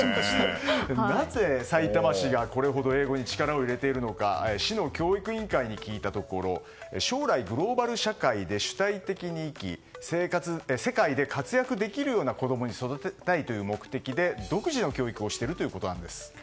なぜ、さいたま市がこれほど英語に力を入れているのか市の教育委員会に聞いたところ将来、グローバル社会で主体的に生き世界で活躍できるような子供に育てたいという目的で独自の教育をしているということです。